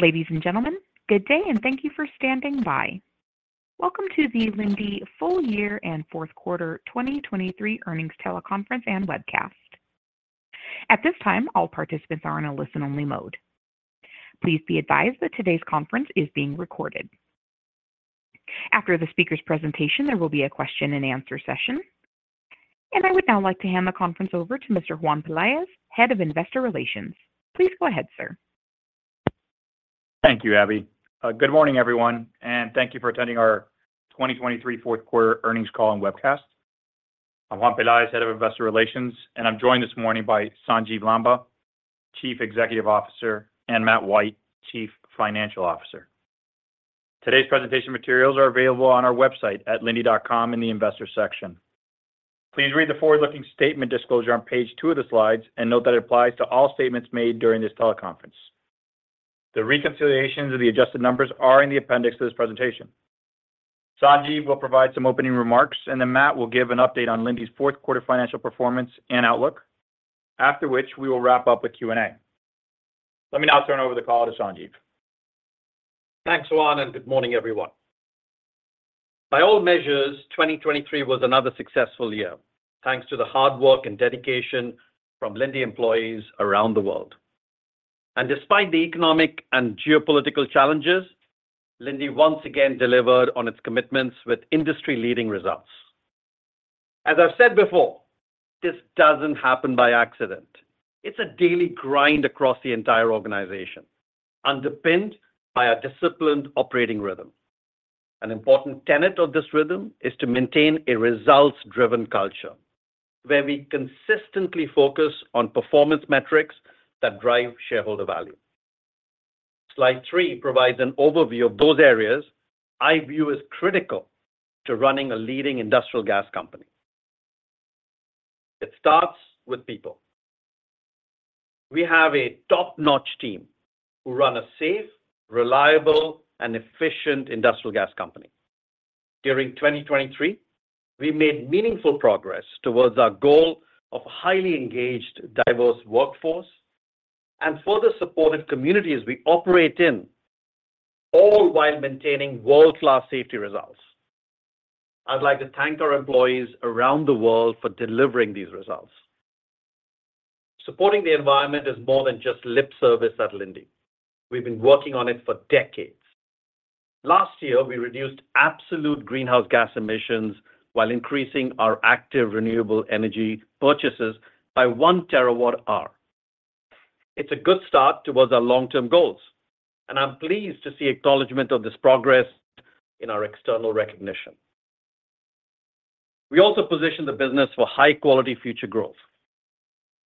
Ladies and gentlemen, good day, and thank you for standing by. Welcome to the Linde Full Year and Fourth Quarter 2023 Earnings Teleconference and Webcast. At this time, all participants are in a listen-only mode. Please be advised that today's conference is being recorded. After the speaker's presentation, there will be a question-and-answer session. I would now like to hand the conference over to Mr. Juan Pelaez, Head of Investor Relations. Please go ahead, sir. Thank you, Abby. Good morning, everyone, and thank you for attending our 2023 fourth quarter earnings call and webcast. I'm Juan Pelaez, Head of Investor Relations, and I'm joined this morning by Sanjiv Lamba, Chief Executive Officer, and Matt White, Chief Financial Officer. Today's presentation materials are available on our website at linde.com in the Investor section. Please read the forward-looking statement disclosure on page two of the slides and note that it applies to all statements made during this teleconference. The reconciliations of the adjusted numbers are in the appendix to this presentation. Sanjiv will provide some opening remarks, and then Matt will give an update on Linde's fourth quarter financial performance and outlook. After which, we will wrap up with Q&A. Let me now turn over the call to Sanjiv. Thanks, Juan, and good morning, everyone. By all measures, 2023 was another successful year, thanks to the hard work and dedication from Linde employees around the world. Despite the economic and geopolitical challenges, Linde once again delivered on its commitments with industry-leading results. As I've said before, this doesn't happen by accident. It's a daily grind across the entire organization, underpinned by a disciplined operating rhythm. An important tenet of this rhythm is to maintain a results-driven culture, where we consistently focus on performance metrics that drive shareholder value. Slide three provides an overview of those areas I view as critical to running a leading industrial gas company. It starts with people. We have a top-notch team who run a safe, reliable, and efficient industrial gas company. During 2023, we made meaningful progress towards our goal of a highly engaged, diverse workforce and further support in communities we operate in, all while maintaining world-class safety results. I'd like to thank our employees around the world for delivering these results. Supporting the environment is more than just lip service at Linde. We've been working on it for decades. Last year, we reduced absolute greenhouse gas emissions while increasing our active renewable energy purchases by 1 TWh. It's a good start towards our long-term goals, and I'm pleased to see acknowledgment of this progress in our external recognition. We also positioned the business for high-quality future growth.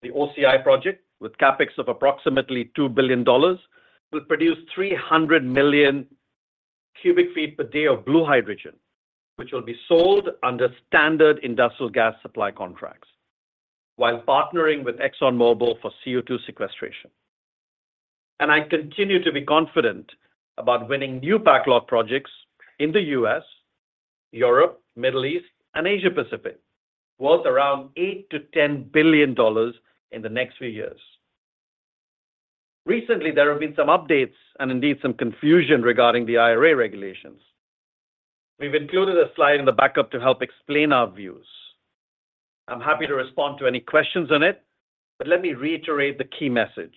The OCI project, with CapEx of approximately $2 billion, will produce 300 MMcf/d of blue hydrogen, which will be sold under standard industrial gas supply contracts, while partnering with ExxonMobil for CO₂ sequestration. I continue to be confident about winning new backlog projects in the U.S., Europe, Middle East, and Asia Pacific, worth around $8 billion-$10 billion in the next few years. Recently, there have been some updates and indeed, some confusion regarding the IRA regulations. We've included a slide in the backup to help explain our views. I'm happy to respond to any questions on it, but let me reiterate the key message.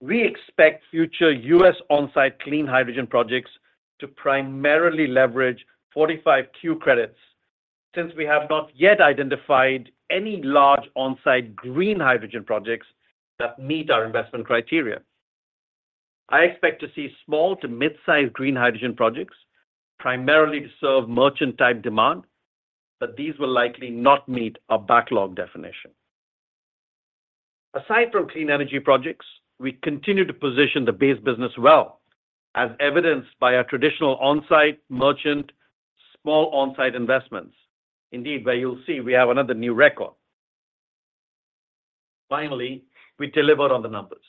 We expect future U.S. on-site clean hydrogen projects to primarily leverage 45Q credits, since we have not yet identified any large on-site green hydrogen projects that meet our investment criteria. I expect to see small to mid-sized green hydrogen projects, primarily to serve merchant-type demand, but these will likely not meet our backlog definition. Aside from clean energy projects, we continue to position the base business well, as evidenced by our traditional on-site merchant, small on-site investments. Indeed, where you'll see we have another new record. Finally, we deliver on the numbers.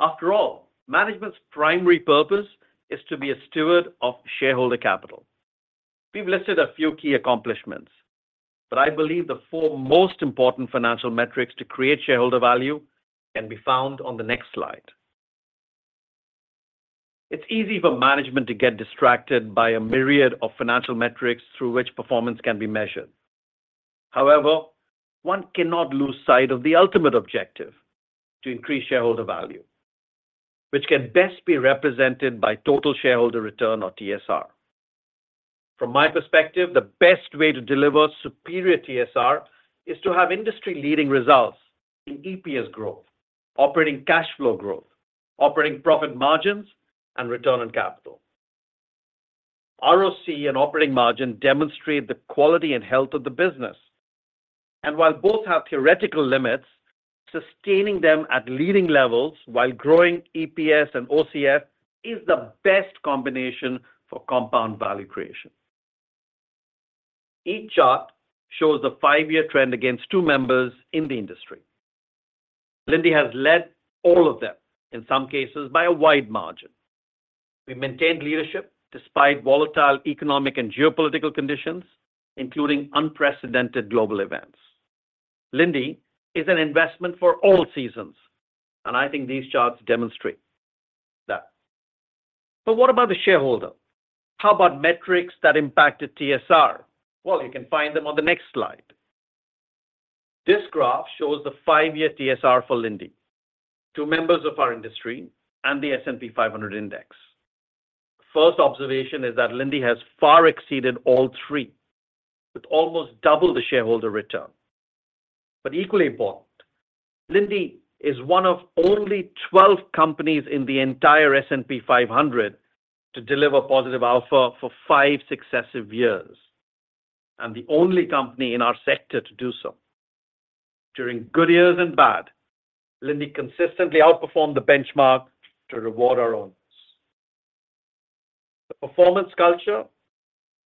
After all, management's primary purpose is to be a steward of shareholder capital. We've listed a few key accomplishments, but I believe the four most important financial metrics to create shareholder value can be found on the next slide. It's easy for management to get distracted by a myriad of financial metrics through which performance can be measured. However, one cannot lose sight of the ultimate objective: to increase shareholder value, which can best be represented by total shareholder return, or TSR. From my perspective, the best way to deliver superior TSR is to have industry-leading results in EPS growth, operating cash flow growth, operating profit margins, and return on capital. ROC and operating margin demonstrate the quality and health of the business. And while both have theoretical limits, sustaining them at leading levels while growing EPS and OCF is the best combination for compound value creation. Each chart shows the five-year trend against two members in the industry. Linde has led all of them, in some cases, by a wide margin. We maintained leadership despite volatile economic and geopolitical conditions, including unprecedented global events. Linde is an investment for all seasons, and I think these charts demonstrate that. But what about the shareholder? How about metrics that impacted TSR? Well, you can find them on the next slide. This graph shows the five-year TSR for Linde, two members of our industry and the S&P 500 Index. First observation is that Linde has far exceeded all three, with almost double the shareholder return. But equally important, Linde is one of only 12 companies in the entire S&P 500 to deliver positive alpha for five successive years, and the only company in our sector to do so. During good years and bad, Linde consistently outperformed the benchmark to reward our owners. The performance culture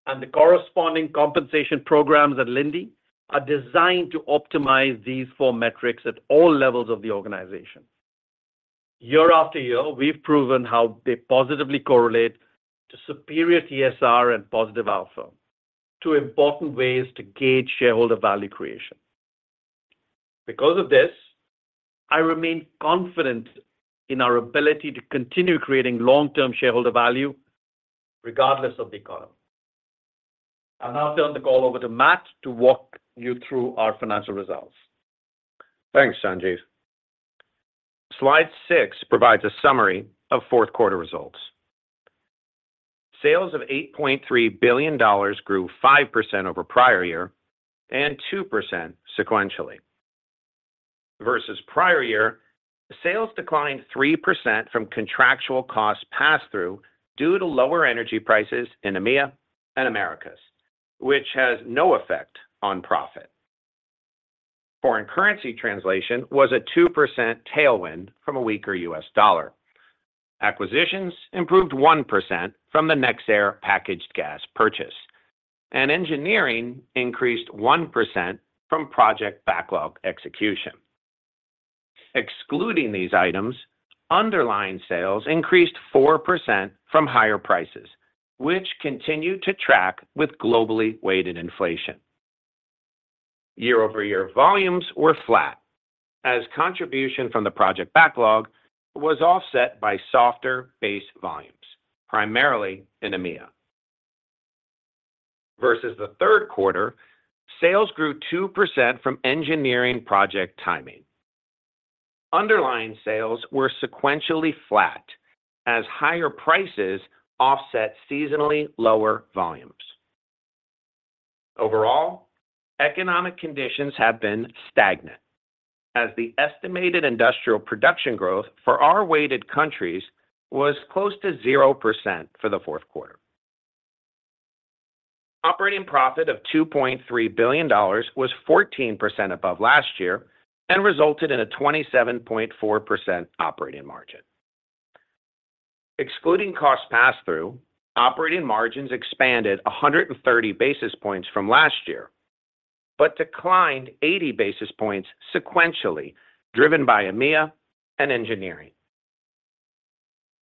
and the corresponding compensation programs at Linde are designed to optimize these four metrics at all levels of the organization. Year after year, we've proven how they positively correlate to superior TSR and positive alpha, two important ways to gauge shareholder value creation. Because of this, I remain confident in our ability to continue creating long-term shareholder value, regardless of the economy. I'll now turn the call over to Matt to walk you through our financial results. Thanks, Sanjiv. Slide six provides a summary of fourth quarter results. Sales of $8.3 billion grew 5% over prior year and 2% sequentially. Versus prior year, sales declined 3% from contractual cost pass-through due to lower energy prices in EMEA and Americas, which has no effect on profit. Foreign currency translation was a 2% tailwind from a weaker U.S. dollar. Acquisitions improved 1% from the nexAir packaged gas purchase, and engineering increased 1% from project backlog execution. Excluding these items, underlying sales increased 4% from higher prices, which continued to track with globally weighted inflation. Year-over-year volumes were flat, as contribution from the project backlog was offset by softer base volumes, primarily in EMEA. Versus the third quarter, sales grew 2% from engineering project timing. Underlying sales were sequentially flat as higher prices offset seasonally lower volumes. Overall, economic conditions have been stagnant, as the estimated industrial production growth for our weighted countries was close to 0% for the fourth quarter. Operating profit of $2.3 billion was 14% above last year and resulted in a 27.4% operating margin. Excluding cost pass-through, operating margins expanded 130 basis points from last year, but declined 80 basis points sequentially, driven by EMEA and engineering.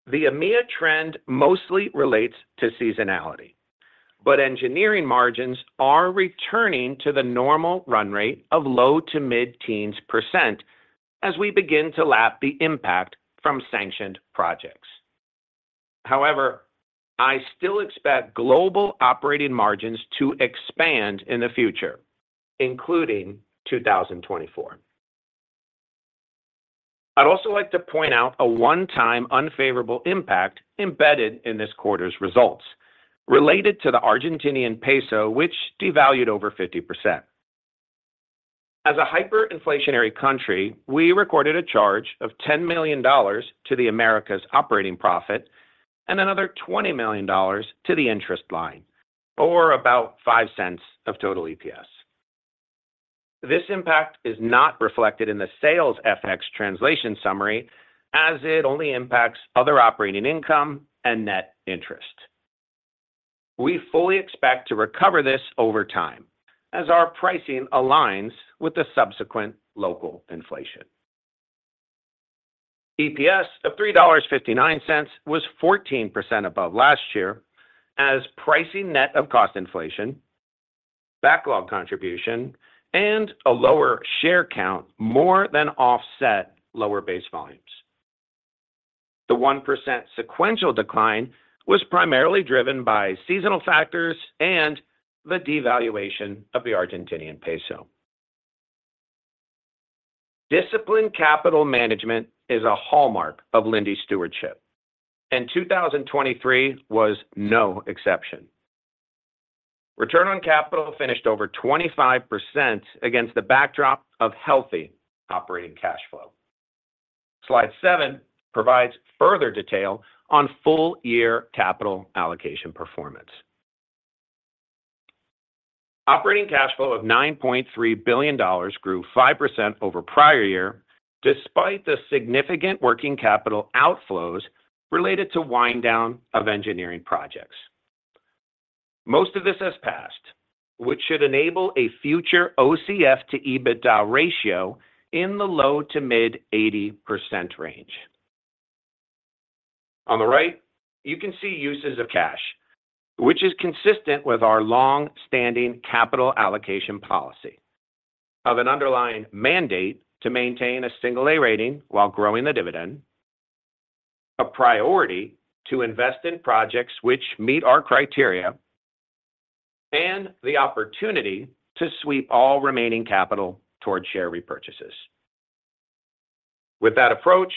The EMEA trend mostly relates to seasonality, but engineering margins are returning to the normal run rate of low-to-mid-teens % as we begin to lap the impact from sanctioned projects. However, I still expect global operating margins to expand in the future, including 2024. I'd also like to point out a one-time unfavorable impact embedded in this quarter's results, related to the Argentine peso, which devalued over 50%. As a hyperinflationary country, we recorded a charge of $10 million to the Americas operating profit and another $20 million to the interest line, or about $0.05 of total EPS. This impact is not reflected in the sales FX translation summary, as it only impacts other operating income and net interest. We fully expect to recover this over time as our pricing aligns with the subsequent local inflation. EPS of $3.59 was 14% above last year, as pricing net of cost inflation, backlog contribution, and a lower share count more than offset lower base volumes. The 1% sequential decline was primarily driven by seasonal factors and the devaluation of the Argentine peso. Disciplined capital management is a hallmark of Linde stewardship, and 2023 was no exception. Return on capital finished over 25% against the backdrop of healthy operating cash flow. Slide seven provides further detail on full-year capital allocation performance. Operating cash flow of $9.3 billion grew 5% over prior year, despite the significant working capital outflows related to wind down of engineering projects. Most of this has passed, which should enable a future OCF to EBITDA ratio in the low-to-mid 80% range. On the right, you can see uses of cash, which is consistent with our long-standing capital allocation policy of an underlying mandate to maintain a single A rating while growing the dividend, a priority to invest in projects which meet our criteria, and the opportunity to sweep all remaining capital towards share repurchases. With that approach,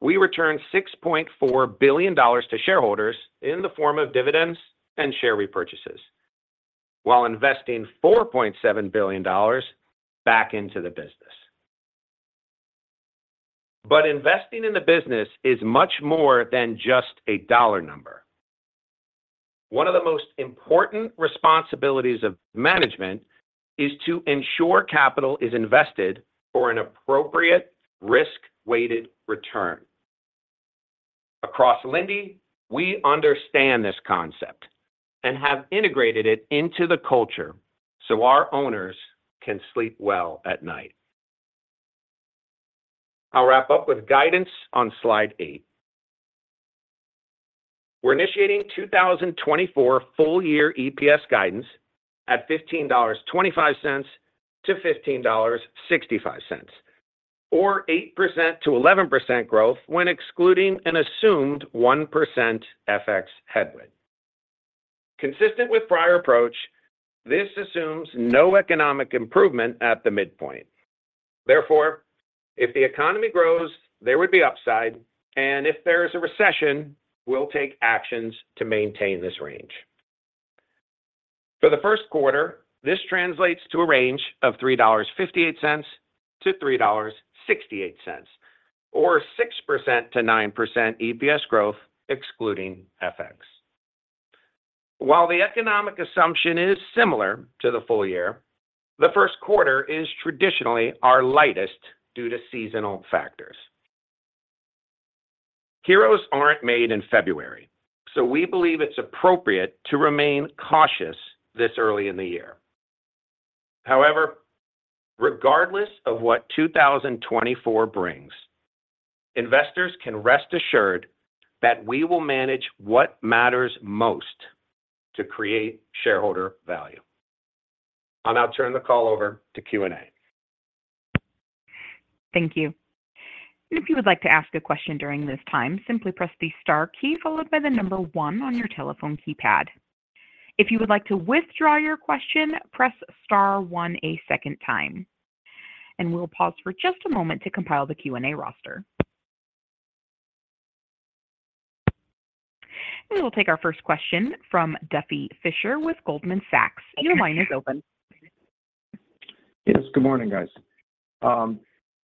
we returned $6.4 billion to shareholders in the form of dividends and share repurchases, while investing $4.7 billion back into the business. But investing in the business is much more than just a dollar number. One of the most important responsibilities of management is to ensure capital is invested for an appropriate risk-weighted return. Across Linde, we understand this concept and have integrated it into the culture so our owners can sleep well at night. I'll wrap up with guidance on slide eight. We're initiating 2024 full year EPS guidance at $15.25-$15.65, or 8%-11% growth when excluding an assumed 1% FX headwind. Consistent with prior approach, this assumes no economic improvement at the midpoint. Therefore, if the economy grows, there would be upside, and if there is a recession, we'll take actions to maintain this range. For the first quarter, this translates to a range of $3.58-$3.68, or 6%-9% EPS growth, excluding FX. While the economic assumption is similar to the full year, the first quarter is traditionally our lightest due to seasonal factors. Heroes aren't made in February, so we believe it's appropriate to remain cautious this early in the year. However, regardless of what 2024 brings, investors can rest assured that we will manage what matters most to create shareholder value. I'll now turn the call over to Q&A. Thank you. If you would like to ask a question during this time, simply press the star key, followed by the number one on your telephone keypad. If you would like to withdraw your question, press star one a second time. We'll pause for just a moment to compile the Q&A roster. We will take our first question from Duffy Fischer with Goldman Sachs. Your line is open. Yes, good morning, guys.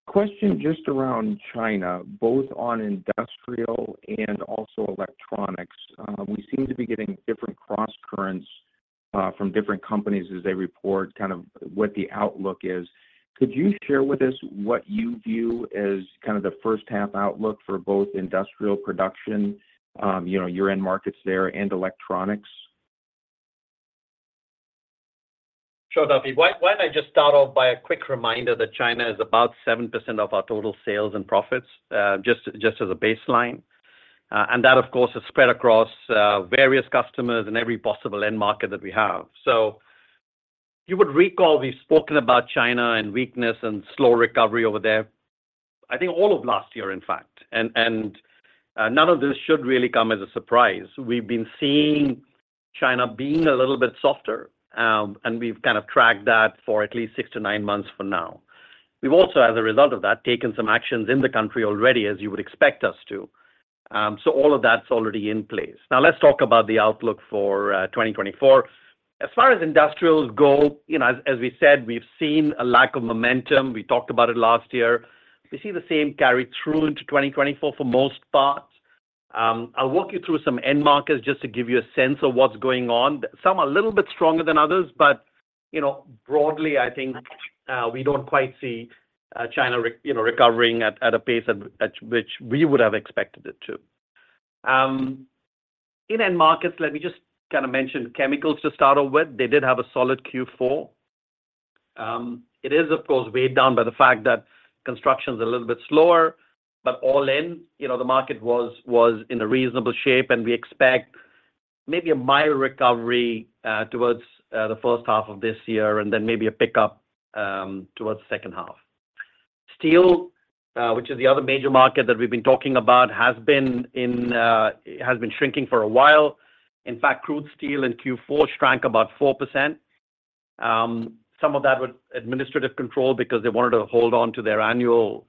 Question just around China, both on industrial and also electronics. We seem to be getting different crosscurrents from different companies as they report, kind of what the outlook is. Could you share with us what you view as kind of the first half outlook for both industrial production, you know, your end markets there, and electronics? Sure, Duffy. Why, why don't I just start off by a quick reminder that China is about 7% of our total sales and profits, just, just as a baseline. And that, of course, is spread across various customers in every possible end market that we have. So you would recall we've spoken about China and weakness and slow recovery over there, I think all of last year, in fact, and, and, none of this should really come as a surprise. We've been seeing China being a little bit softer, and we've kind of tracked that for at least six to nine months for now. We've also, as a result of that, taken some actions in the country already, as you would expect us to. So all of that's already in place. Now, let's talk about the outlook for 2024. As far as industrials go, you know, as we said, we've seen a lack of momentum. We talked about it last year. We see the same carry through into 2024 for most parts. I'll walk you through some end markets just to give you a sense of what's going on. Some are a little bit stronger than others, but, you know, broadly, I think, we don't quite see, China, you know, recovering at, at a pace at which we would have expected it to. In end markets, let me just kind of mention chemicals to start off with. They did have a solid Q4. It is, of course, weighed down by the fact that construction is a little bit slower, but all in, you know, the market was in a reasonable shape, and we expect maybe a minor recovery towards the first half of this year and then maybe a pickup towards the second half. Steel, which is the other major market that we've been talking about, has been shrinking for a while. In fact, crude steel in Q4 shrank about 4%. Some of that was administrative control because they wanted to hold on to their annual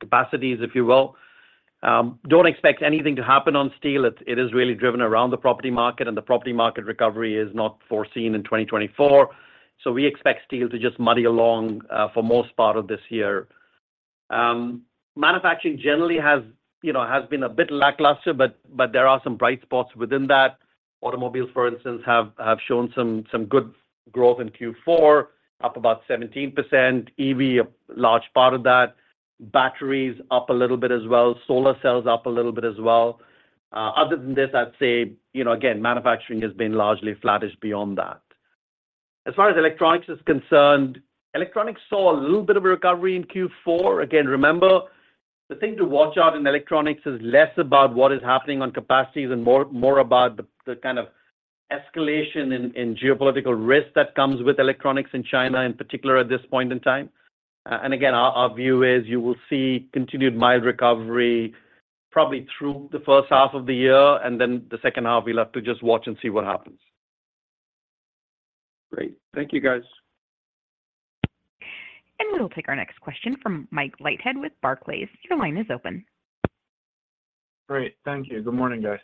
capacities, if you will. Don't expect anything to happen on steel. It is really driven around the property market, and the property market recovery is not foreseen in 2024. So we expect steel to just muddy along for most part of this year. Manufacturing generally has, you know, has been a bit lackluster, but there are some bright spots within that. Automobiles, for instance, have shown some good growth in Q4, up about 17%, EV a large part of that. Batteries up a little bit as well, solar cells up a little bit as well. Other than this, I'd say, you know, again, manufacturing has been largely flattish beyond that. As far as electronics is concerned, electronics saw a little bit of a recovery in Q4. Again, remember, the thing to watch out in electronics is less about what is happening on capacities and more about the kind of escalation in geopolitical risk that comes with electronics in China, in particular, at this point in time. And again, our view is you will see continued mild recovery probably through the first half of the year, and then the second half, we'll have to just watch and see what happens. Great. Thank you, guys. We'll take our next question from Mike Leithead with Barclays. Your line is open. Great. Thank you. Good morning, guys.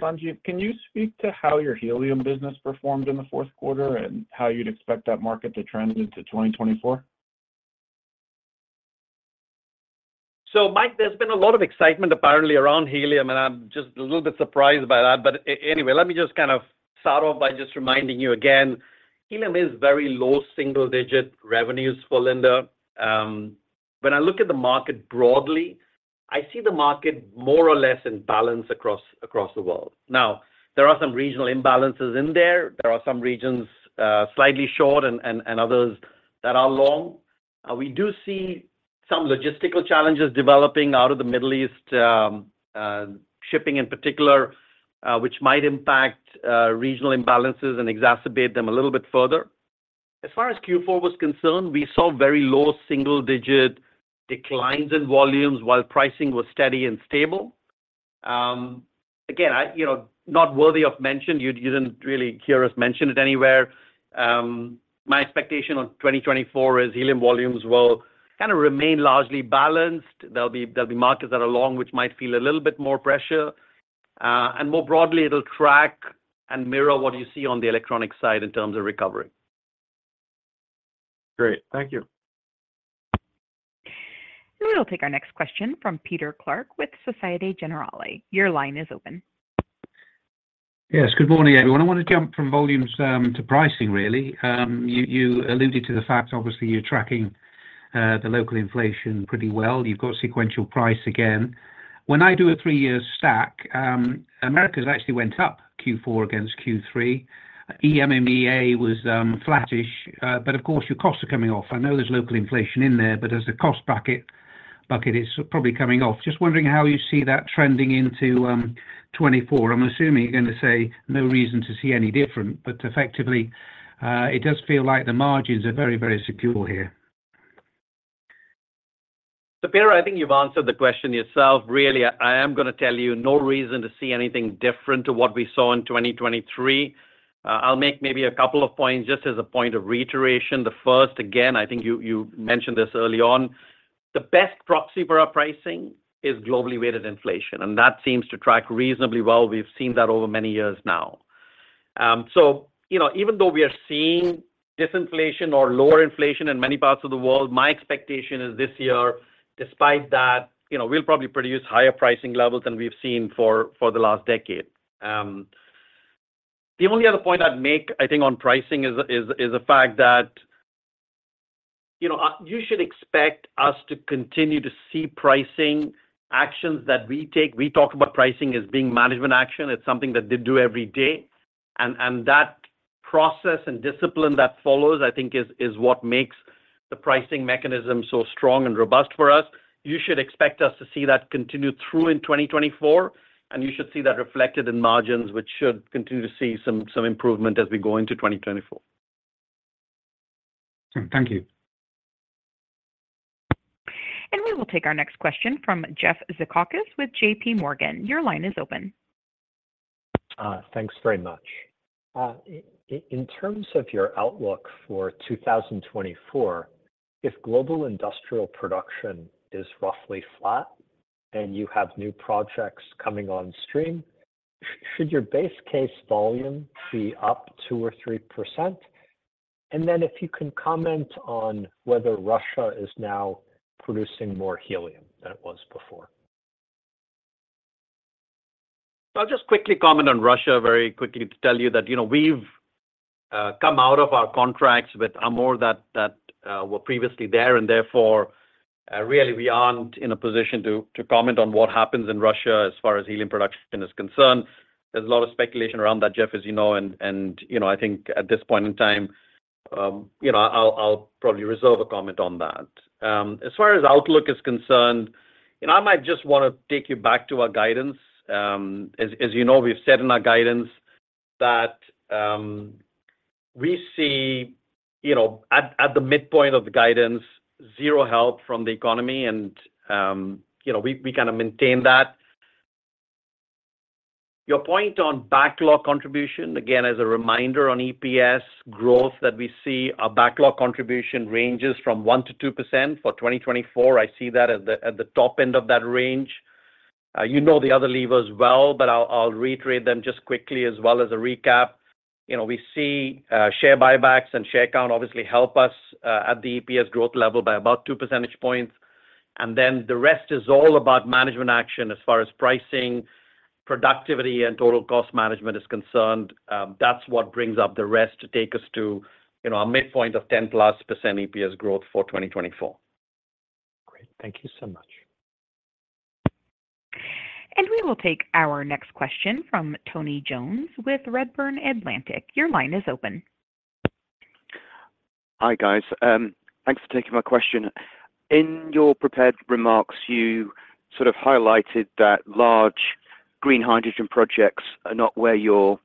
Sanjiv, can you speak to how your helium business performed in the fourth quarter, and how you'd expect that market to trend into 2024? So Mike, there's been a lot of excitement, apparently, around helium, and I'm just a little bit surprised by that. But anyway, let me just kind of start off by just reminding you again, helium is very low single-digit revenues for Linde. When I look at the market broadly, I see the market more or less in balance across the world. Now, there are some regional imbalances in there. There are some regions slightly short and others that are long. We do see some logistical challenges developing out of the Middle East, shipping in particular, which might impact regional imbalances and exacerbate them a little bit further. As far as Q4 was concerned, we saw very low single-digit declines in volumes, while pricing was steady and stable. Again, I, you know, not worthy of mention. You, you didn't really hear us mention it anywhere. My expectation on 2024 is helium volumes will kind of remain largely balanced. There'll be markets that are long, which might feel a little bit more pressure. And more broadly, it'll track and mirror what you see on the electronic side in terms of recovery. Great. Thank you. We'll take our next question from Peter Clark with Société Générale. Your line is open. Yes, good morning, everyone. I want to jump from volumes to pricing really. You alluded to the fact, obviously, you're tracking the local inflation pretty well. You've got sequential price again. When I do a three-year stack, Americas actually went up Q4 against Q3. EMEA was flattish, but of course, your costs are coming off. I know there's local inflation in there, but as a cost bucket, it's probably coming off. Just wondering how you see that trending into 2024. I'm assuming you're going to say no reason to see any different, but effectively, it does feel like the margins are very, very secure here. So Peter, I think you've answered the question yourself. Really, I am gonna tell you, no reason to see anything different to what we saw in 2023. I'll make maybe a couple of points just as a point of reiteration. The first, again, I think you, you mentioned this early on. The best proxy for our pricing is globally weighted inflation, and that seems to track reasonably well. We've seen that over many years now. So, you know, even though we are seeing disinflation or lower inflation in many parts of the world, my expectation is this year, despite that, you know, we'll probably produce higher pricing levels than we've seen for, for the last decade. The only other point I'd make, I think, on pricing is the fact that, you know, you should expect us to continue to see pricing actions that we take. We talk about pricing as being management action. It's something that they do every day, and that process and discipline that follows, I think is what makes the pricing mechanism so strong and robust for us. You should expect us to see that continue through in 2024, and you should see that reflected in margins, which should continue to see some improvement as we go into 2024. Thank you. We will take our next question from Jeff Zekauskas with JPMorgan. Your line is open. Thanks very much. In terms of your outlook for 2024, if global industrial production is roughly flat and you have new projects coming on stream, should your base case volume be up 2%-3%? And then if you can comment on whether Russia is now producing more helium than it was before. So I'll just quickly comment on Russia very quickly to tell you that, you know, we've come out of our contracts with Amur that were previously there, and therefore, really, we aren't in a position to comment on what happens in Russia as far as helium production is concerned. There's a lot of speculation around that, Jeff, as you know, and you know, I think at this point in time, you know, I'll probably reserve a comment on that. As far as outlook is concerned, you know, I might just want to take you back to our guidance. As you know, we've said in our guidance that we see, you know, at the midpoint of the guidance, zero help from the economy, and you know, we kind of maintain that. Your point on backlog contribution, again, as a reminder on EPS growth, that we see our backlog contribution ranges from 1%-2%. For 2024, I see that at the top end of that range. You know the other levers well, but I'll reiterate them just quickly as well as a recap. You know, we see share buybacks and share count obviously help us at the EPS growth level by about 2 percentage points, and then the rest is all about management action as far as pricing, productivity and total cost management is concerned, that's what brings up the rest to take us to, you know, our midpoint of 10%+ EPS growth for 2024. Great. Thank you so much. We will take our next question from Tony Jones with Redburn Atlantic. Your line is open. Hi, guys. Thanks for taking my question. In your prepared remarks, you sort of highlighted that large green hydrogen projects are not where you're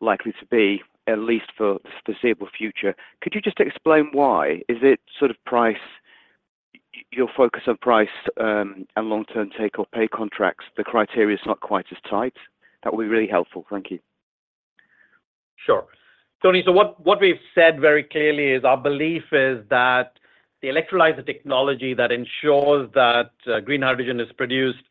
likely to be, at least for the foreseeable future. Could you just explain why? Is it sort of price, your focus on price, and long-term take or pay contracts, the criteria is not quite as tight? That would be really helpful. Thank you. Sure. Tony, so what we've said very clearly is our belief is that the electrolyzer technology that ensures that green hydrogen is produced,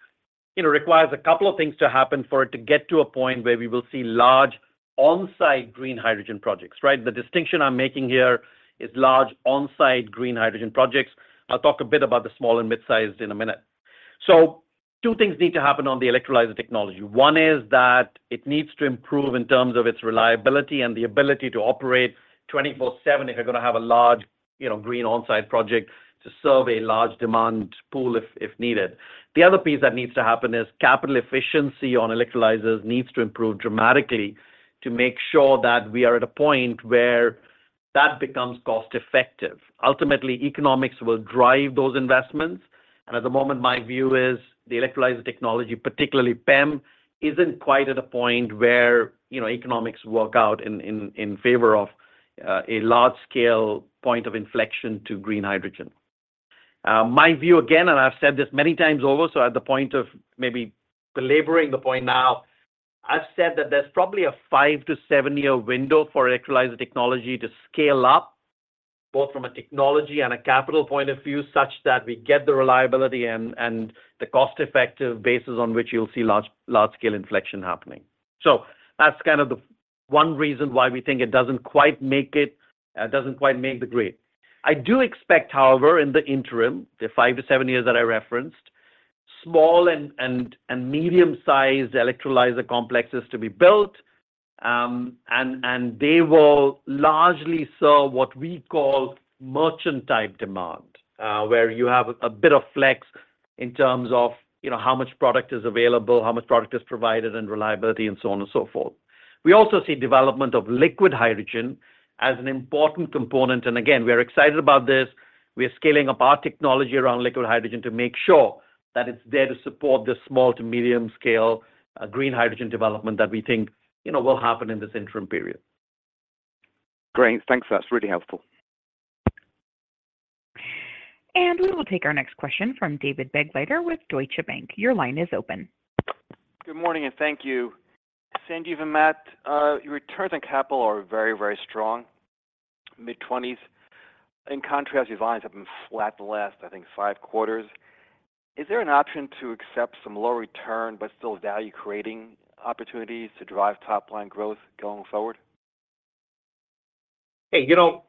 you know, requires a couple of things to happen for it to get to a point where we will see large on-site green hydrogen projects, right? The distinction I'm making here is large on-site green hydrogen projects. I'll talk a bit about the small and mid-sized in a minute. So two things need to happen on the electrolyzer technology. One is that it needs to improve in terms of its reliability and the ability to operate 24/7 if you're going to have a large, you know, green on-site project to serve a large demand pool, if needed. The other piece that needs to happen is capital efficiency on electrolyzers needs to improve dramatically to make sure that we are at a point where that becomes cost effective. Ultimately, economics will drive those investments, and at the moment, my view is the electrolyzer technology, particularly PEM, isn't quite at a point where, you know, economics work out in favor of a large-scale point of inflection to green hydrogen. My view, again, and I've said this many times over, so at the point of maybe belaboring the point now, I've said that there's probably a five to seven-year window for electrolyzer technology to scale up, both from a technology and a capital point of view, such that we get the reliability and the cost-effective basis on which you'll see large, large-scale inflection happening. So that's kind of the one reason why we think it doesn't quite make it, doesn't quite make the grade. I do expect, however, in the interim, the five to seven years that I referenced, small and medium-sized electrolyzer complexes to be built, and they will largely serve what we call merchant-type demand. Where you have a bit of flex in terms of, you know, how much product is available, how much product is provided, and reliability, and so on and so forth. We also see development of liquid hydrogen as an important component, and again, we are excited about this. We are scaling up our technology around liquid hydrogen to make sure that it's there to support the small to medium scale, green hydrogen development that we think, you know, will happen in this interim period. Great. Thanks. That's really helpful. We will take our next question from David Begleiter with Deutsche Bank. Your line is open. Good morning, and thank you. Sanjiv and Matt, your returns on capital are very, very strong, mid-20s. In contrast, your lines have been flat the last, I think, five quarters. Is there an option to accept some low return but still value-creating opportunities to drive top-line growth going forward? Hey, you know,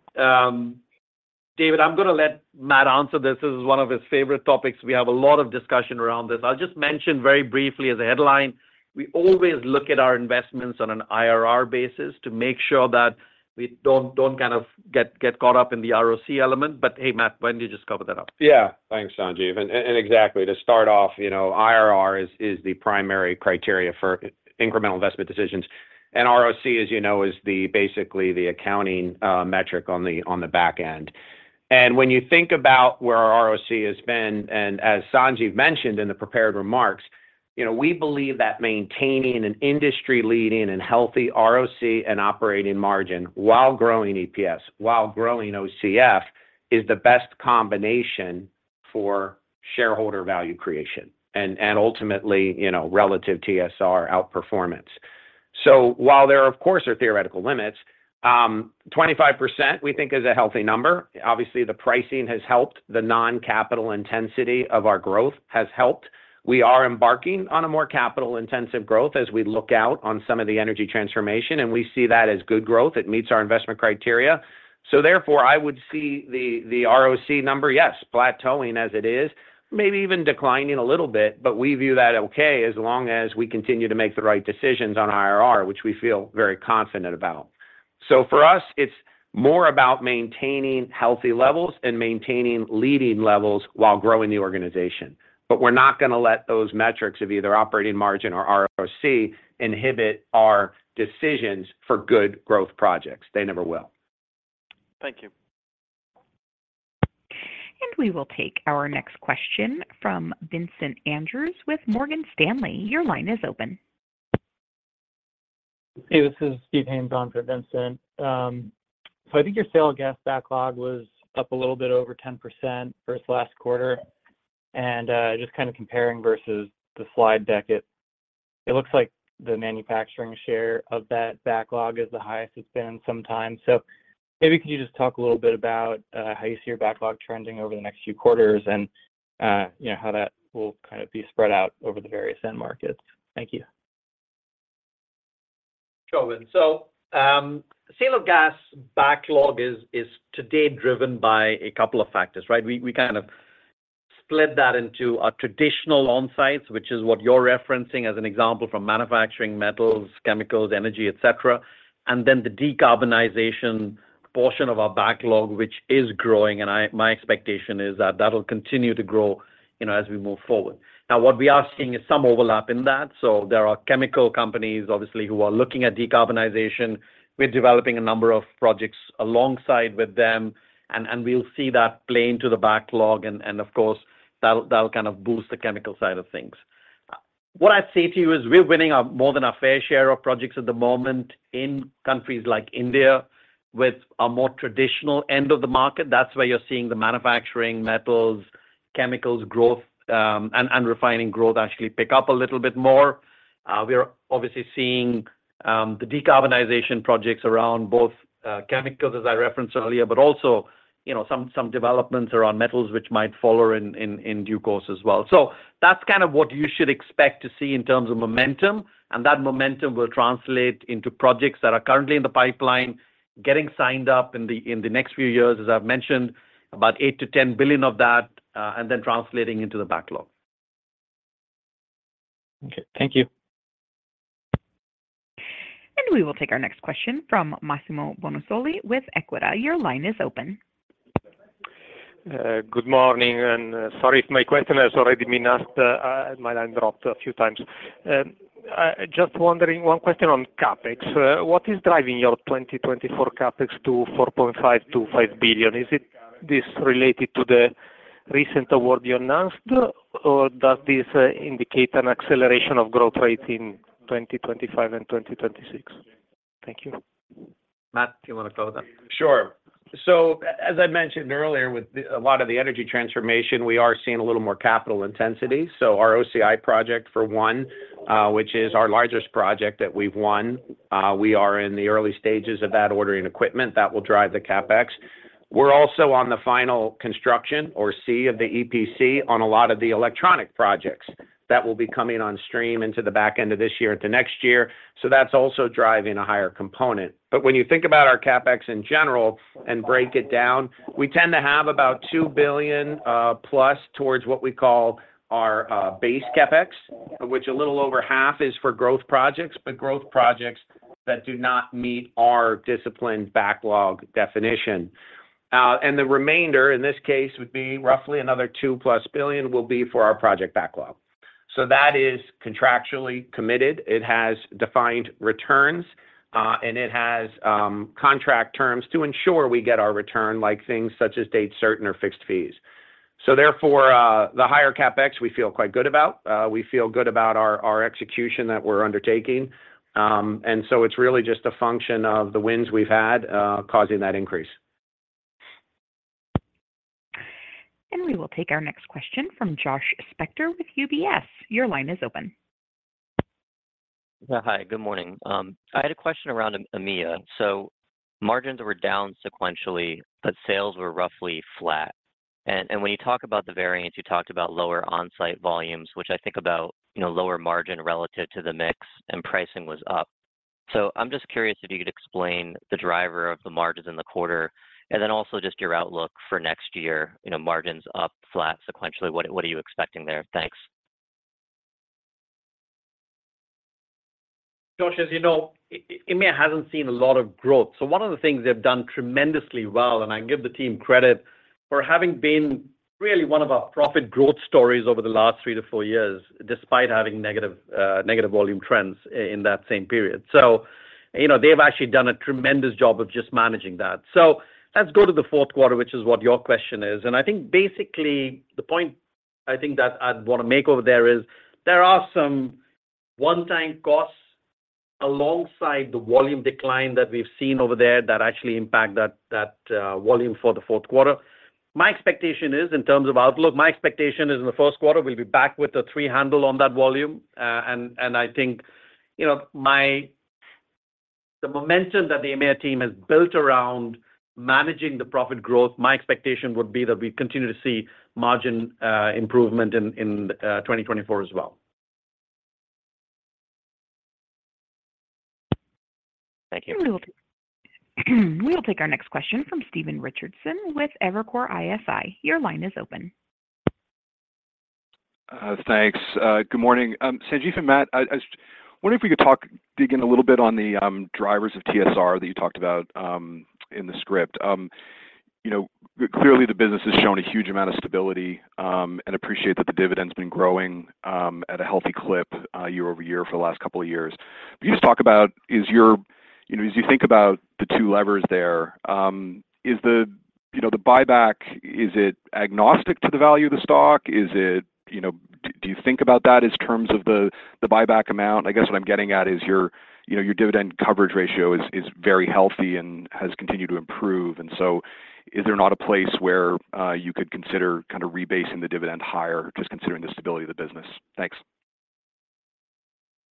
David, I'm going to let Matt answer this. This is one of his favorite topics. We have a lot of discussion around this. I'll just mention very briefly as a headline, we always look at our investments on an IRR basis to make sure that we don't kind of get caught up in the ROC element. But hey, Matt, why don't you just cover that up? Yeah. Thanks, Sanjiv. And exactly, to start off, you know, IRR is the primary criteria for incremental investment decisions. And ROC, as you know, is basically the accounting metric on the back end. And when you think about where our ROC has been, and as Sanjiv mentioned in the prepared remarks, you know, we believe that maintaining an industry-leading and healthy ROC and operating margin while growing EPS, while growing OCF, is the best combination for shareholder value creation and ultimately, you know, relative TSR outperformance. So while there, of course, are theoretical limits, 25%, we think, is a healthy number. Obviously, the pricing has helped. The non-capital intensity of our growth has helped. We are embarking on a more capital-intensive growth as we look out on some of the energy transformation, and we see that as good growth. It meets our investment criteria. So therefore, I would see the ROC number, yes, plateauing as it is, maybe even declining a little bit, but we view that okay, as long as we continue to make the right decisions on IRR, which we feel very confident about. So for us, it's more about maintaining healthy levels and maintaining leading levels while growing the organization. But we're not going to let those metrics of either operating margin or ROC inhibit our decisions for good growth projects. They never will. Thank you. We will take our next question from Vincent Andrews with Morgan Stanley. Your line is open. Hey, this is Steve Haynes on for Vincent. So I think your sale of gas backlog was up a little bit over 10% versus last quarter. And just kind of comparing versus the slide deck, it, it looks like the manufacturing share of that backlog is the highest it's been in some time. So maybe could you just talk a little bit about how you see your backlog trending over the next few quarters and you know, how that will kind of be spread out over the various end markets? Thank you. Sure, and so, sale of gas backlog is, is today driven by a couple of factors, right? We, we kind of split that into our traditional on-sites, which is what you're referencing as an example from manufacturing, metals, chemicals, energy, et cetera, and then the decarbonization portion of our backlog, which is growing, and I—my expectation is that that'll continue to grow, you know, as we move forward. Now, what we are seeing is some overlap in that. So there are chemical companies, obviously, who are looking at decarbonization. We're developing a number of projects alongside with them, and, and we'll see that play into the backlog, and, and of course, that'll, that'll kind of boost the chemical side of things. What I'd say to you is we're winning a more than our fair share of projects at the moment in countries like India, with a more traditional end of the market. That's where you're seeing the manufacturing, metals, chemicals growth, and refining growth actually pick up a little bit more. We are obviously seeing the decarbonization projects around both chemicals, as I referenced earlier, but also, you know, some developments around metals, which might follow in due course as well. So that's kind of what you should expect to see in terms of momentum, and that momentum will translate into projects that are currently in the pipeline, getting signed up in the next few years, as I've mentioned, about $8 billion-$10 billion of that, and then translating into the backlog. Okay. Thank you. We will take our next question from Massimo Bonisoli with Equita. Your line is open. Good morning, and sorry if my question has already been asked. My line dropped a few times. Just wondering, one question on CapEx. What is driving your 2024 CapEx to $4.5 billion-$5 billion? Is it this related to the recent award you announced, or does this indicate an acceleration of growth rate in 2025 and 2026? Thank you. Matt, do you wanna go with that? Sure. So as I mentioned earlier, with a lot of the energy transformation, we are seeing a little more capital intensity. So our OCI project, for one, which is our largest project that we've won, we are in the early stages of that ordering equipment. That will drive the CapEx. We're also on the final construction, or C of the EPC, on a lot of the electronic projects. That will be coming on stream into the back end of this year into next year, so that's also driving a higher component. But when you think about our CapEx in general and break it down, we tend to have about $2 billion plus towards what we call our base CapEx, of which a little over half is for growth projects, but growth projects that do not meet our disciplined backlog definition. And the remainder, in this case, would be roughly another $2+ billion, will be for our project backlog. So that is contractually committed. It has defined returns, and it has contract terms to ensure we get our return, like things such as date certain or fixed fees. So therefore, the higher CapEx, we feel quite good about. We feel good about our execution that we're undertaking, and so it's really just a function of the wins we've had, causing that increase. We will take our next question from Josh Spector with UBS. Your line is open. Yeah, hi, good morning. I had a question around EMEA. So margins were down sequentially, but sales were roughly flat. And when you talk about the variance, you talked about lower on-site volumes, which I think about, you know, lower margin relative to the mix, and pricing was up. So I'm just curious if you could explain the driver of the margins in the quarter, and then also just your outlook for next year, you know, margins up, flat, sequentially, what are you expecting there? Thanks. Josh, as you know, EMEA hasn't seen a lot of growth. So one of the things they've done tremendously well, and I give the team credit for having been really one of our profit growth stories over the last three to four years, despite having negative volume trends in that same period. So, you know, they've actually done a tremendous job of just managing that. So let's go to the fourth quarter, which is what your question is, and I think basically, the point I think that I'd wanna make over there is, there are some one-time costs alongside the volume decline that we've seen over there that actually impact that volume for the fourth quarter. My expectation is, in terms of outlook, my expectation is in the first quarter, we'll be back with a three handle on that volume. I think, you know, the momentum that the EMEA team has built around managing the profit growth. My expectation would be that we continue to see margin improvement in 2024 as well. Thank you. We will take our next question from Stephen Richardson with Evercore ISI. Your line is open. Thanks. Good morning. Sanjiv and Matt, I just wonder if we could talk, dig in a little bit on the drivers of TSR that you talked about in the script. You know, clearly, the business has shown a huge amount of stability, and appreciate that the dividend's been growing at a healthy clip, year over year for the last couple of years. Can you just talk about, is your, you know, as you think about the two levers there, is the, you know, the buyback, is it agnostic to the value of the stock? Is it, you know, do you think about that in terms of the buyback amount? I guess what I'm getting at is your, you know, your dividend coverage ratio is very healthy and has continued to improve, and so is there not a place where you could consider kind of rebasing the dividend higher, just considering the stability of the business? Thanks.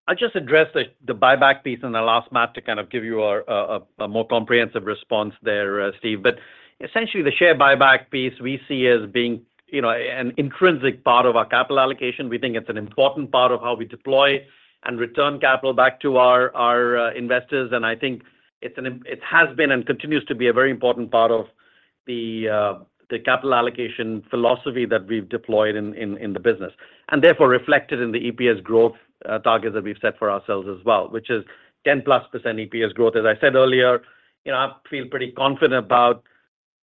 I'll just address the buyback piece in the last part to kind of give you a more comprehensive response there, Steve. But essentially, the share buyback piece we see as being, you know, an intrinsic part of our capital allocation. We think it's an important part of how we deploy and return capital back to our investors. And I think it has been and continues to be a very important part of the capital allocation philosophy that we've deployed in the business, and therefore reflected in the EPS growth targets that we've set for ourselves as well, which is 10%+ EPS growth. As I said earlier, you know, I feel pretty confident about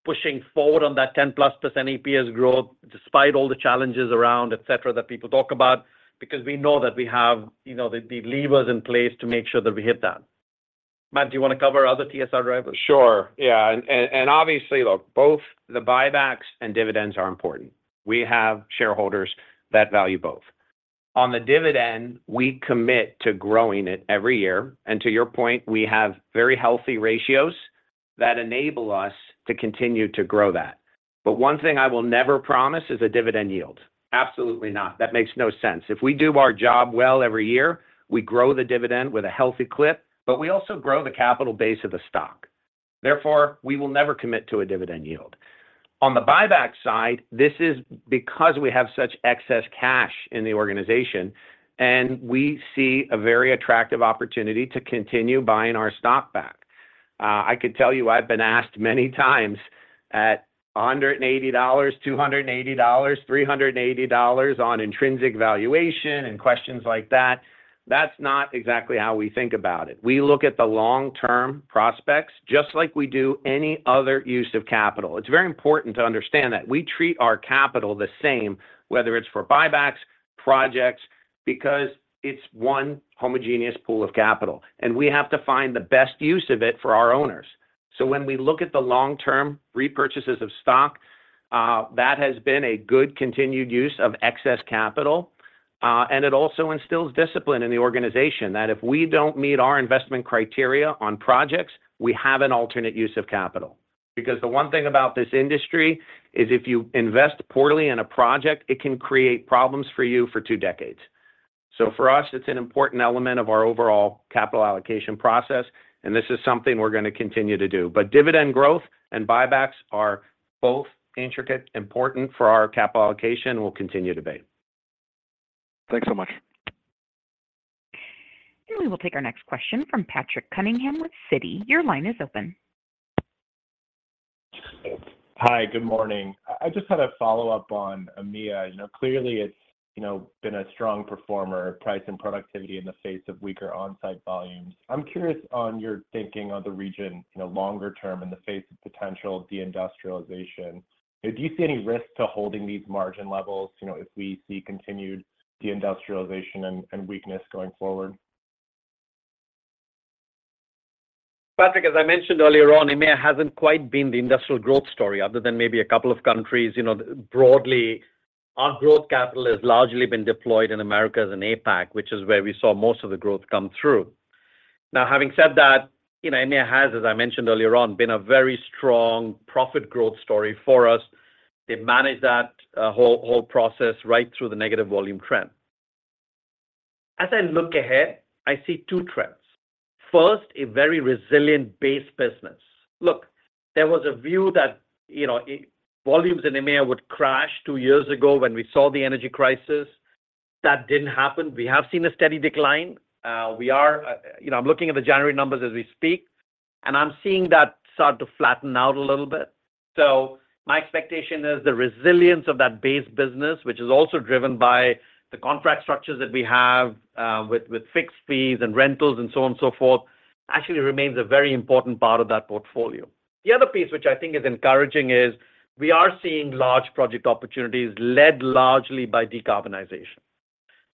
pushing forward on that 10%+ EPS growth, despite all the challenges around, et cetera, that people talk about, because we know that we have, you know, the, the levers in place to make sure that we hit that. Matt, do you wanna cover other TSR drivers? Sure. Yeah, and obviously, look, both the buybacks and dividends are important. We have shareholders that value both. On the dividend, we commit to growing it every year, and to your point, we have very healthy ratios that enable us to continue to grow that. But one thing I will never promise is a dividend yield. Absolutely not. That makes no sense. If we do our job well every year, we grow the dividend with a healthy clip, but we also grow the capital base of the stock. Therefore, we will never commit to a dividend yield. On the buyback side, this is because we have such excess cash in the organization, and we see a very attractive opportunity to continue buying our stock back. I could tell you, I've been asked many times at $180, $280, $380 on intrinsic valuation and questions like that. That's not exactly how we think about it. We look at the long-term prospects, just like we do any other use of capital. It's very important to understand that we treat our capital the same, whether it's for buybacks, projects, because it's one homogeneous pool of capital, and we have to find the best use of it for our owners. So when we look at the long-term repurchases of stock, that has been a good continued use of excess capital, and it also instills discipline in the organization, that if we don't meet our investment criteria on projects, we have an alternate use of capital. Because the one thing about this industry is if you invest poorly in a project, it can create problems for you for two decades. So for us, it's an important element of our overall capital allocation process, and this is something we're gonna continue to do. But dividend growth and buybacks are both intricate, important for our capital allocation, will continue to be. Thanks so much. We will take our next question from Patrick Cunningham with Citi. Your line is open. Hi, good morning. I just had a follow-up on EMEA. You know, clearly it's, you know, been a strong performer, price and productivity in the face of weaker on-site volumes. I'm curious on your thinking on the region, you know, longer term in the face of potential deindustrialization. Do you see any risk to holding these margin levels, you know, if we see continued deindustrialization and, and weakness going forward? Patrick, as I mentioned earlier on, EMEA hasn't quite been the industrial growth story, other than maybe a couple of countries. You know, broadly, our growth capital has largely been deployed in Americas and APAC, which is where we saw most of the growth come through. Now, having said that, you know, EMEA has, as I mentioned earlier on, been a very strong profit growth story for us. They've managed that whole process right through the negative volume trend. As I look ahead, I see two trends. First, a very resilient base business. Look, there was a view that, you know, volumes in EMEA would crash two years ago when we saw the energy crisis. That didn't happen. We have seen a steady decline. We are, you know, I'm looking at the January numbers as we speak, and I'm seeing that start to flatten out a little bit. So my expectation is the resilience of that base business, which is also driven by the contract structures that we have, with, with fixed fees and rentals and so on and so forth, actually remains a very important part of that portfolio. The other piece, which I think is encouraging, is we are seeing large project opportunities led largely by decarbonization.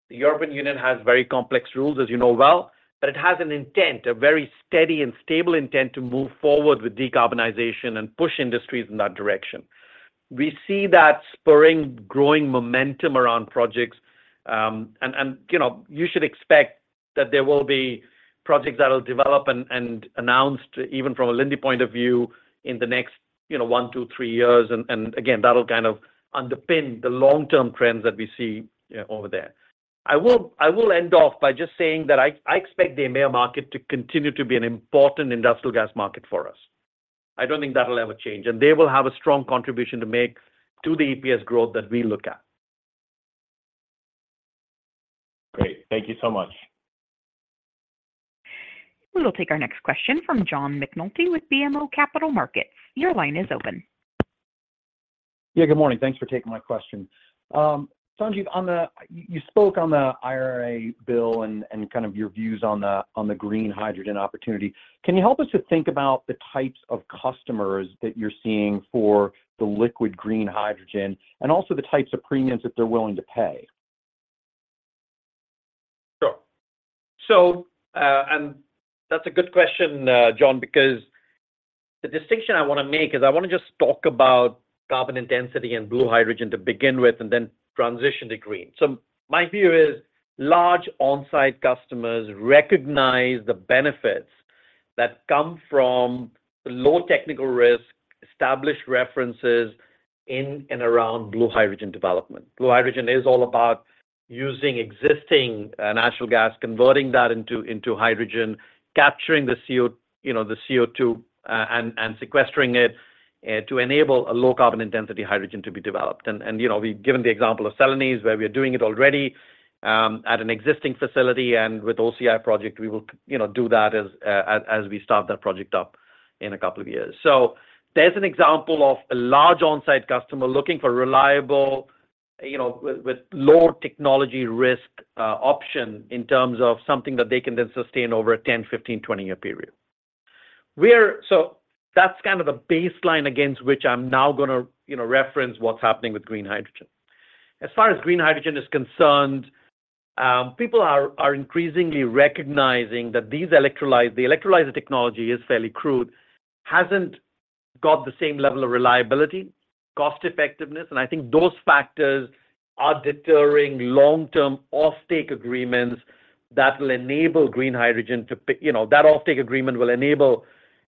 The European Union has very complex rules, as you know well, but it has an intent, a very steady and stable intent to move forward with decarbonization and push industries in that direction. We see that spurring growing momentum around projects, and, you know, you should expect that there will be projects that will develop and announce too, even from a Linde point of view, in the next, you know, 1, 2, 3 years. And again, that'll kind of underpin the long-term trends that we see over there. I will end off by just saying that I expect the EMEA market to continue to be an important industrial gas market for us. I don't think that will ever change, and they will have a strong contribution to make to the EPS growth that we look at. Great. Thank you so much. We will take our next question from John McNulty with BMO Capital Markets. Your line is open. Yeah, good morning. Thanks for taking my question. Sanjiv, on the—you spoke on the IRA bill and kind of your views on the green hydrogen opportunity. Can you help us to think about the types of customers that you're seeing for the liquid green hydrogen, and also the types of premiums that they're willing to pay? Sure. So, and that's a good question, John, because the distinction I wanna make is I wanna just talk about carbon intensity and blue hydrogen to begin with, and then transition to green. So my view is large on-site customers recognize the benefits that come from low technical risk, established references in and around blue hydrogen development. Blue hydrogen is all about using existing natural gas, converting that into hydrogen, capturing the CO2, you know, and sequestering it to enable a low carbon intensity hydrogen to be developed. And, you know, we've given the example of Celanese, where we are doing it already, at an existing facility, and with OCI project, we will, you know, do that as we start that project up in a couple of years. So there's an example of a large on-site customer looking for reliable, you know, with low technology risk, option in terms of something that they can then sustain over a 10, 15, 20-year period. So that's kind of the baseline against which I'm now gonna, you know, reference what's happening with green hydrogen. As far as green hydrogen is concerned, people are increasingly recognizing that these electrolyzer, the electrolyzer technology is fairly crude, hasn't got the same level of reliability, cost effectiveness, and I think those factors are deterring long-term off-take agreements that will enable green hydrogen to, you know, that off-take agreement will enable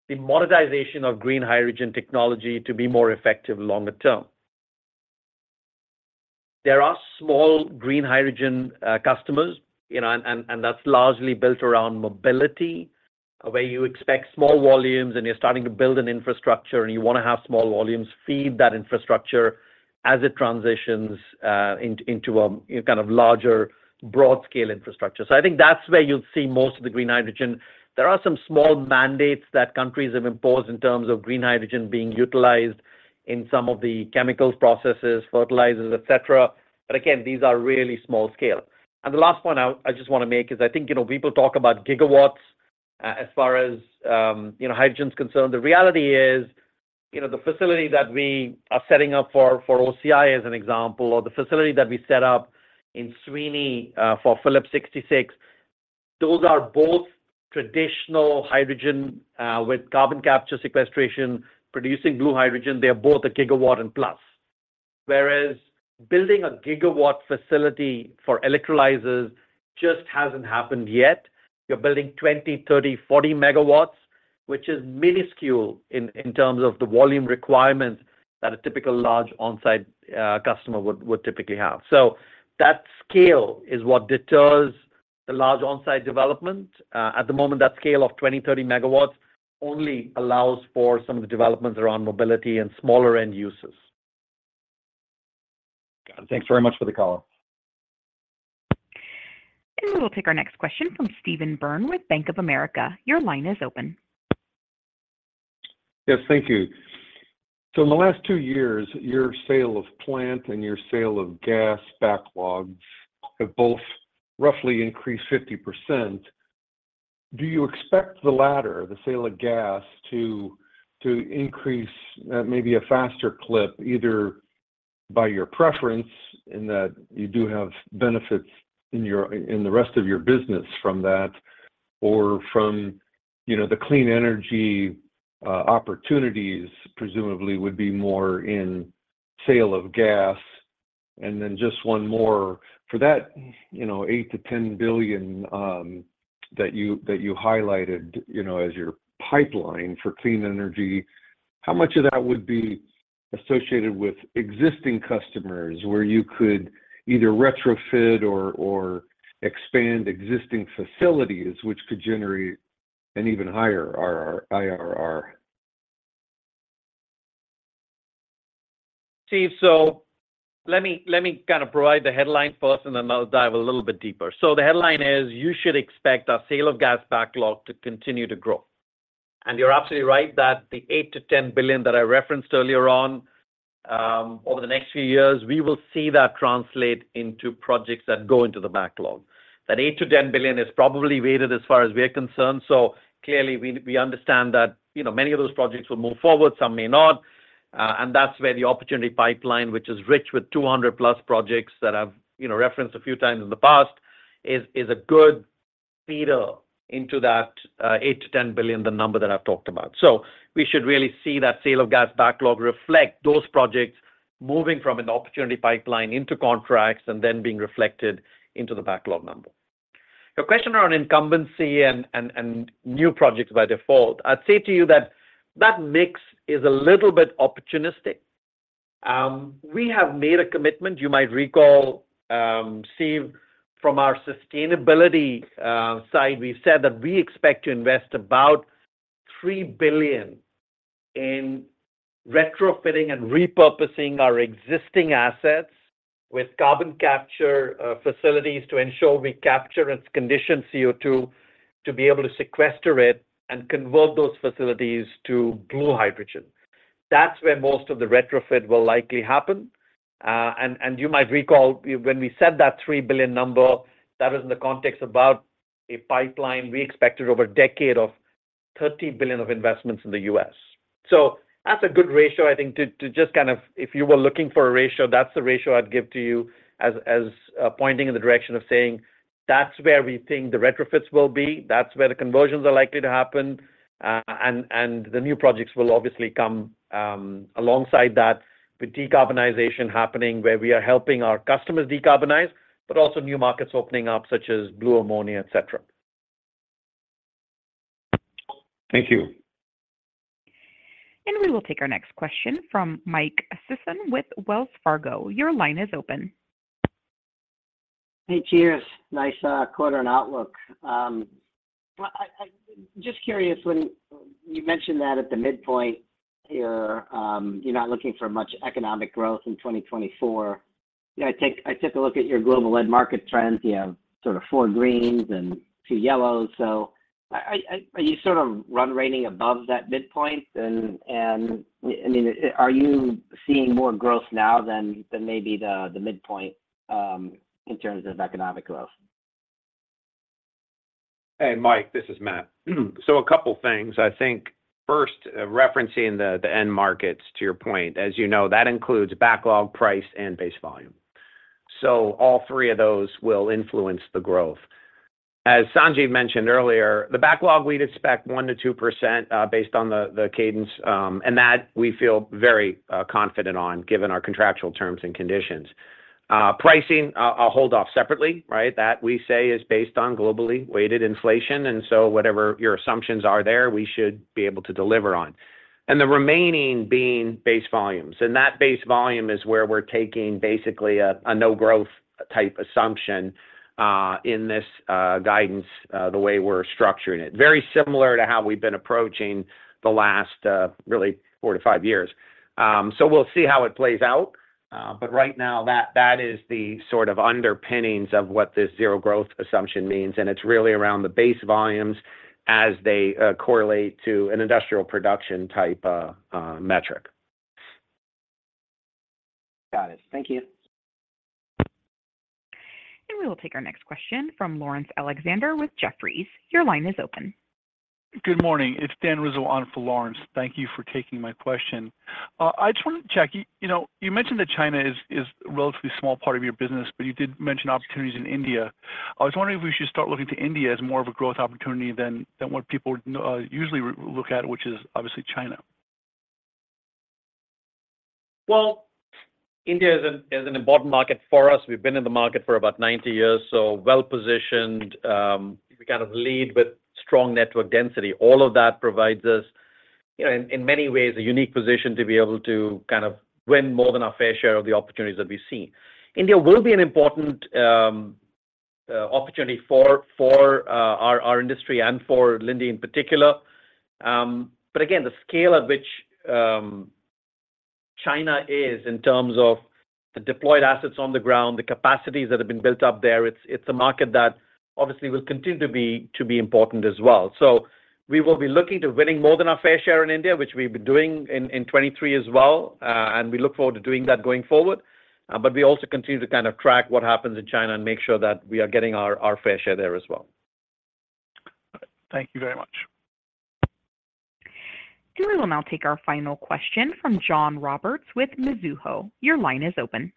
the monetization of green hydrogen technology to be more effective longer term. There are small green hydrogen customers, you know, and that's largely built around mobility, where you expect small volumes, and you're starting to build an infrastructure, and you want to have small volumes feed that infrastructure as it transitions into a kind of larger, broad-scale infrastructure. So I think that's where you'll see most of the green hydrogen. There are some small mandates that countries have imposed in terms of green hydrogen being utilized in some of the chemicals, processes, fertilizers, et cetera, but again, these are really small scale. And the last point I just want to make is I think, you know, people talk about gigawatts as far as you know, hydrogen's concerned. The reality is, you know, the facility that we are setting up for OCI, as an example, or the facility that we set up in Sweeny, for Phillips 66, those are both traditional hydrogen with carbon capture sequestration, producing blue hydrogen. They are both 1 GW and plus. Whereas building a 1 GW facility for electrolyzers just hasn't happened yet. You're building 20, 30, 40 MW, which is minuscule in terms of the volume requirements that a typical large on-site customer would typically have. So that scale is what deters the large on-site development. At the moment, that scale of 20, 30 MW only allows for some of the developments around mobility and smaller end uses. Thanks very much for the call. We'll take our next question from Steven Byrne with Bank of America. Your line is open. Yes, thank you. So in the last two years, your sale of plant and your sale of gas backlogs have both roughly increased 50%. Do you expect the latter, the sale of gas, to, to increase at maybe a faster clip, either by your preference, in that you do have benefits in your, in the rest of your business from that, or from, you know, the clean energy opportunities presumably would be more in sale of gas? And then just one more. For that, you know, $8 billion-$10 billion that you, that you highlighted, you know, as your pipeline for clean energy, how much of that would be associated with existing customers, where you could either retrofit or, or expand existing facilities, which could generate an even higher RR, IRR? Steve, so let me, let me kind of provide the headline first, and then I'll dive a little bit deeper. So the headline is, you should expect our sale of gas backlog to continue to grow. And you're absolutely right that the $8 billion-$10 billion that I referenced earlier on, over the next few years, we will see that translate into projects that go into the backlog. That $8 billion-$10 billion is probably weighted as far as we're concerned, so clearly we, we understand that, you know, many of those projects will move forward, some may not, and that's where the opportunity pipeline, which is rich with 200+ projects that I've, you know, referenced a few times in the past, is, is a good feeder into that, $8 billion-$10 billion, the number that I've talked about. So we should really see that sale of gas backlog reflect those projects moving from an opportunity pipeline into contracts and then being reflected into the backlog number. Your question around incumbency and new projects by default, I'd say to you that that mix is a little bit opportunistic. We have made a commitment, you might recall, Steve, from our sustainability side, we said that we expect to invest about $3 billion in retrofitting and repurposing our existing assets with carbon capture facilities to ensure we capture and condition CO₂, to be able to sequester it and convert those facilities to blue hydrogen. That's where most of the retrofit will likely happen. And you might recall when we said that $3 billion number, that was in the context about a pipeline we expected over a decade of $30 billion of investments in the U.S. So that's a good ratio, I think, to just kind of, if you were looking for a ratio, that's the ratio I'd give to you as pointing in the direction of saying that's where we think the retrofits will be, that's where the conversions are likely to happen. And the new projects will obviously come alongside that, with decarbonization happening, where we are helping our customers decarbonize, but also new markets opening up, such as blue ammonia, etc. Thank you. We will take our next question from Mike Sison with Wells Fargo. Your line is open. Hey, cheers. Nice quarter and outlook. Well, just curious, when you mentioned that at the midpoint here, you're not looking for much economic growth in 2024. You know, I took a look at your global end market trends. You have sort of four greens and two yellows. So are you sort of run rating above that midpoint? And I mean, are you seeing more growth now than maybe the midpoint in terms of economic growth? Hey, Mike, this is Matt. So a couple things. I think first, referencing the end markets, to your point, as you know, that includes backlog, price, and base volume. So all three of those will influence the growth. As Sanjiv mentioned earlier, the backlog, we'd expect 1%-2%, based on the cadence, and that we feel very confident on, given our contractual terms and conditions. Pricing, I'll hold off separately, right? That we say is based on globally weighted inflation, and so whatever your assumptions are there, we should be able to deliver on. And the remaining being base volumes, and that base volume is where we're taking basically a no-growth type assumption, in this guidance, the way we're structuring it. Very similar to how we've been approaching the last really four to five years. So we'll see how it plays out, but right now, that is the sort of underpinnings of what this zero-growth assumption means, and it's really around the base volumes as they correlate to an industrial production type metric. Got it. Thank you. We will take our next question from Laurence Alexander with Jefferies. Your line is open. Good morning. It's Dan Rizzo on for Laurence. Thank you for taking my question. I just wanted to check, you know, you mentioned that China is a relatively small part of your business, but you did mention opportunities in India. I was wondering if we should start looking to India as more of a growth opportunity than what people usually look at, which is obviously China. Well, India is an important market for us. We've been in the market for about 90 years, so well-positioned. We kind of lead with strong network density. All of that provides us, you know, in many ways, a unique position to be able to kind of win more than our fair share of the opportunities that we see. India will be an important opportunity for our industry and for Linde in particular. But again, the scale at which China is in terms of the deployed assets on the ground, the capacities that have been built up there, it's a market that obviously will continue to be important as well. So we will be looking to winning more than our fair share in India, which we've been doing in 2023 as well. We look forward to doing that going forward. But we also continue to kind of track what happens in China and make sure that we are getting our fair share there as well. Thank you very much. We will now take our final question from John Roberts with Mizuho. Your line is open.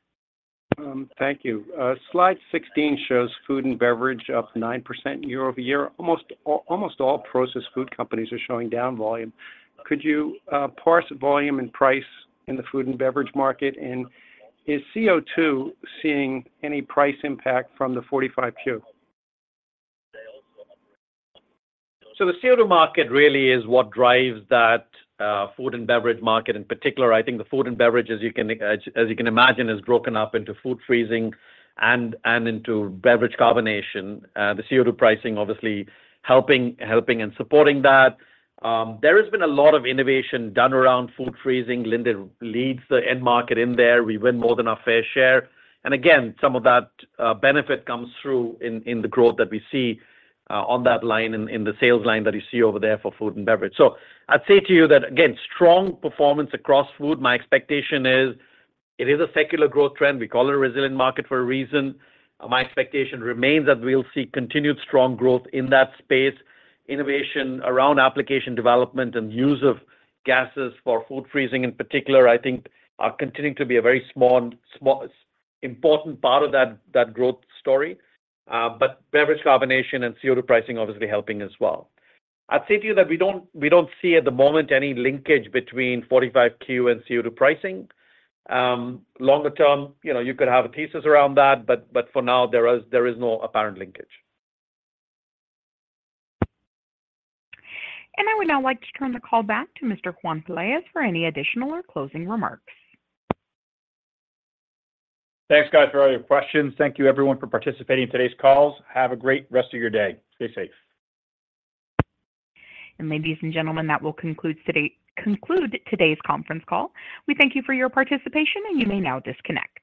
Thank you. Slide 16 shows food and beverage up 9% year-over-year. Almost all processed food companies are showing down volume. Could you parse volume and price in the food and beverage market? And is CO2 seeing any price impact from the 45Q? So the CO₂ market really is what drives that, food and beverage market in particular. I think the food and beverage, as you can imagine, is broken up into food freezing and into beverage carbonation. The CO₂ pricing obviously helping and supporting that. There has been a lot of innovation done around food freezing. Linde leads the end market in there. We win more than our fair share, and again, some of that benefit comes through in the growth that we see on that line, in the sales line that you see over there for food and beverage. So I'd say to you that, again, strong performance across food. My expectation is it is a secular growth trend. We call it a resilient market for a reason. My expectation remains that we'll see continued strong growth in that space. Innovation around application development and use of gases for food freezing in particular, I think are continuing to be a very small, important part of that growth story. But beverage carbonation and CO2 pricing obviously helping as well. I'd say to you that we don't see at the moment any linkage between 45Q and CO2 pricing. Longer term, you know, you could have a thesis around that, but for now, there is no apparent linkage. I would now like to turn the call back to Mr. Juan Pelaez for any additional or closing remarks. Thanks, guys, for all your questions. Thank you, everyone, for participating in today's calls. Have a great rest of your day. Stay safe. And ladies and gentlemen, that will conclude today's conference call. We thank you for your participation, and you may now disconnect.